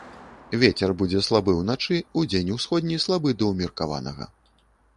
Вецер будзе слабы ўначы, удзень усходні, слабы да ўмеркаванага.